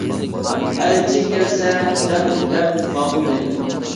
ئەلچى كەلسە جان دەپ ماقۇل دەيتتىم.